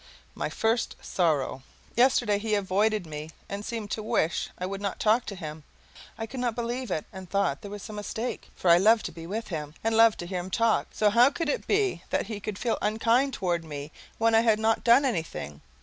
my first sorrow. Yesterday he avoided me and seemed to wish I would not talk to him. I could not believe it, and thought there was some mistake, for I loved to be with him, and loved to hear him talk, and so how could it be that he could feel unkind toward me when I had not done anything?